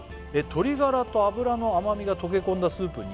「鶏ガラと脂の甘みが溶け込んだスープに」